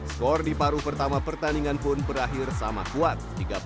skor di paru pertama pertandingan pun berakhir sama kuat tiga puluh delapan tiga puluh delapan